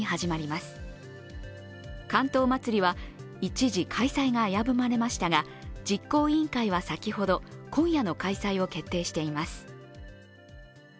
竿燈まつりは一時開催が危ぶまれましたが実行委員会は先ほど今夜の開催を決定しています。